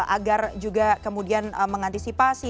agar juga kemudian mengantisipasi